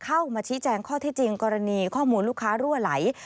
เข้ามาชี้แจงข้อที่จริงกรณีข้อมูลลูกค้ารั่วไหล